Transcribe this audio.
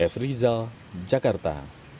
f rizal jakarta